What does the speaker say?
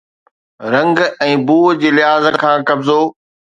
رنگ ۽ بو جي لحاظ کان قبضو